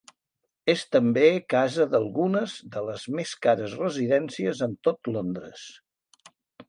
És també casa d'algunes de les més cares residències en tot Londres.